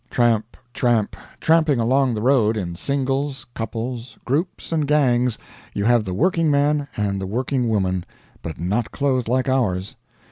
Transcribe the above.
Tramp, tramp, tramping along the road, in singles, couples, groups, and gangs, you have the working man and the working woman but not clothed like ours.